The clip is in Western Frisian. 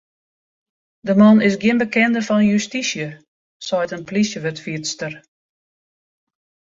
De man is gjin bekende fan justysje, seit in plysjewurdfierster.